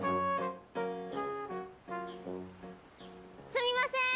すみません！